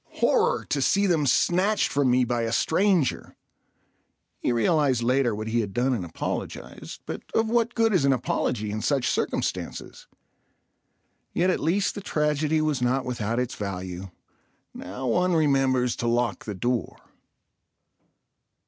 Horror! to see them snatched from me by a stranger. He realized later what he had done and apologized, but of what good is an apology in such circumstances? Yet at least the tragedy was not without its value. Now one remembers to lock the door.